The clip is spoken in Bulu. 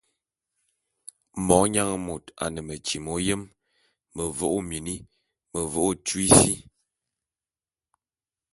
Monyang môt a ne metyi m'oyém; mevo'o ô mini, mevo'o ô tyui sí.